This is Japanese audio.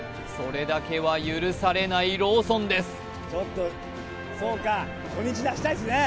それだけは許されないローソンです